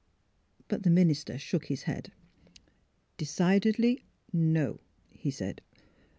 But the minister shook his head. "Decidedly — no!" he said.